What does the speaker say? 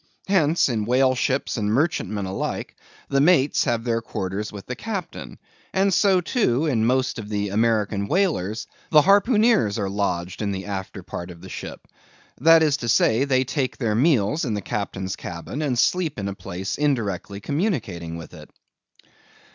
Hence, in whale ships and merchantmen alike, the mates have their quarters with the captain; and so, too, in most of the American whalers the harpooneers are lodged in the after part of the ship. That is to say, they take their meals in the captain's cabin, and sleep in a place indirectly communicating with it.